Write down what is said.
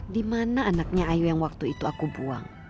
dimana anaknya ayu yang waktu itu aku buang